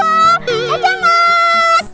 eh dah dah mas